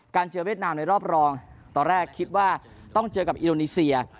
เจอเวียดนามในรอบรองตอนแรกคิดว่าต้องเจอกับอินโดนีเซีย